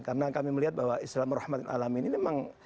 karena kami melihat bahwa islam merahmatkan alamin ini memang